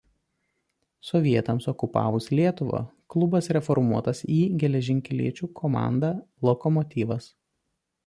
Sovietams okupavus Lietuvą klubas reformuotas į geležinkeliečių komandą „Lokomotyvas“.